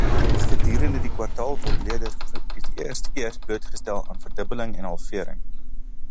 Gedurende die kwartaal word leerders vir die eerste keer blootgestel aan verdubbeling en halvering.